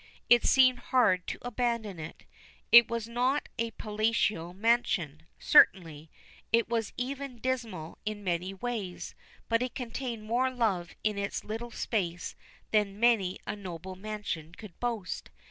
It seemed hard to abandon it. It was not a palatial mansion, certainly; it was even dismal in many ways, but it contained more love in its little space than many a noble mansion could boast.